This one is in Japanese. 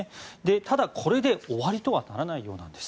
ただ、これで終わりとはならないようなんです。